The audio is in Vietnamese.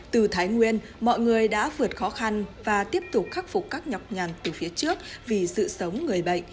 từ thái nguyên mọi người đã vượt khó khăn và tiếp tục khắc phục các nhọc nhằn từ phía trước vì sự sống người bệnh